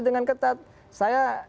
dengan ketat saya